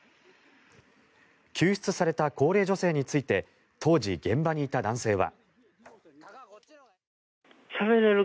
救出された高齢女性について当時、現場にいた男性は。